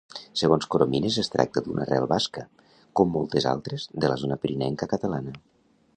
Segons Coromines, es tracta d'una arrel basca, com moltes altres de la zona pirinenca catalana.